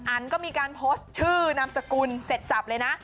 อันก็มีการโพสต์ชื่อนามสกุลเสร็จสับเลยนะ